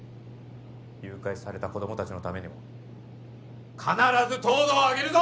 誘拐された子ども達のためにも必ず東堂をあげるぞ！